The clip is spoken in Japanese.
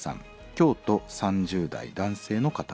京都３０代男性の方。